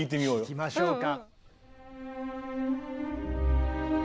聴きましょうか。